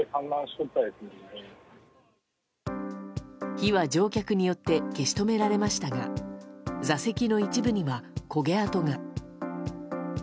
火は乗客によって消し止められましたが座席の一部には焦げ跡が。